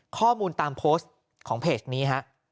ข้อมูลตามโพสต์ของเพจนี้ฮะ